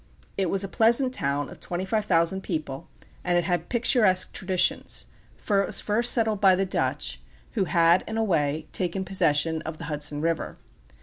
It was a pleasant town of twenty five thousand people, and it had picturesque traditions; for it was first settled by the Dutch, who had, in a way, taken possession of the Hudson River.